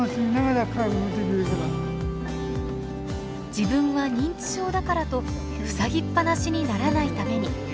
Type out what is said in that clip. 自分は認知症だからとふさぎっぱなしにならないために。